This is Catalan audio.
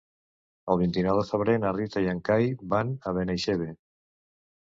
El vint-i-nou de febrer na Rita i en Cai van a Benaixeve.